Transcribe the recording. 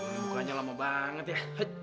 bukannya lama banget ya